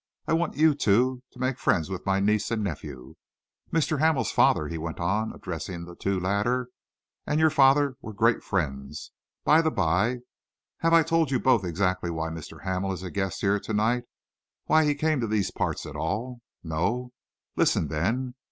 I want you, too, to make friends with my niece and nephew. Mr. Hamel's father," he went on, addressing the two latter, "and your father were great friends. By the by, have I told you both exactly why Mr. Hamel is a guest here to night why he came to these parts at all? No? Listen, then.